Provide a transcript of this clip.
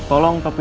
al dan andin